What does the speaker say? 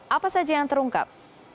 apa saja yang terungkap